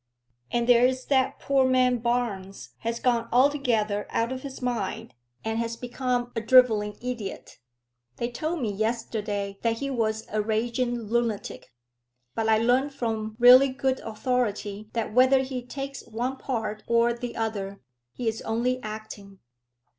"And there is that poor man Barnes has gone altogether out of his mind, and has become a drivelling idiot." "They told me yesterday that he was a raging lunatic; but I learn from really good authority that whether he takes one part or the other, he is only acting."